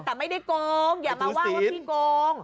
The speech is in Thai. แต่ไม่ได้โกงอย่ามาว่าว่าพี่โกง